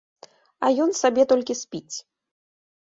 А ён сабе толькі спіць!